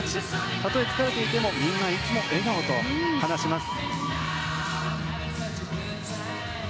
たとえ疲れていてもみんないつも笑顔と話します。